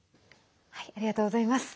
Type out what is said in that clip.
ありがとうございます。